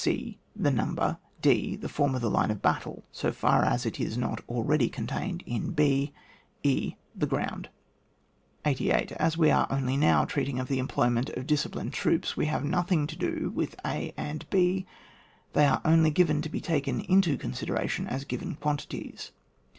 e. The number. d. The form of the line of battle so far as it is not already contained in b. e. The ground. 88. As we are only now treating of the employment of disciplined troops, we have nothing to do with a and b, they are only to be taken into consideration as given quantities.